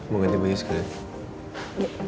mau ganti baju sekalian